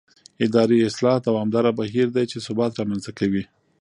اداري اصلاح دوامداره بهیر دی چې ثبات رامنځته کوي